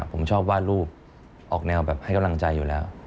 ผมชอบวาดรูปออกแนวแบบให้กำลังใจอยู่แล้ว